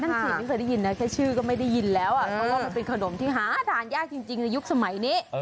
สิไม่เคยได้ยินนะแค่ชื่อก็ไม่ได้ยินแล้วเพราะว่ามันเป็นขนมที่หาทานยากจริงในยุคสมัยนี้